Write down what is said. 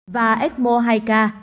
và ecmo hai ca